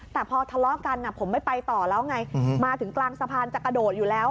แต่พอทะเลาะกันผมไม่ไปต่อแล้วไงมาถึงกลางสะพานจะกระโดดอยู่แล้ว